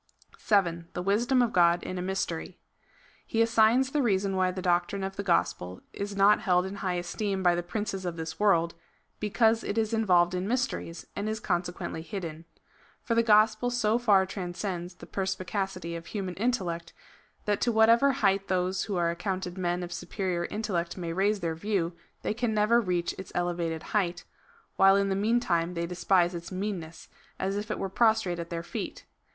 7. The wisdom of God in a mystery. He assigns the reason why the doctrine of the gospel is not held in high esteem by the princes of this world — because it is involved in mysteries, and is consequently hidden. For the gospel so far transcends the perspicacity of human intellect, that to whatever height those who are accounted men of superior intellect may raise their view, they never can reach its ele vated height, while in the meantime they despise its mean ness, as if it were prostrate at their feet.